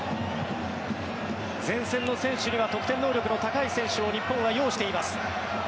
前線の選手には得点能力の高い選手を日本は擁しています。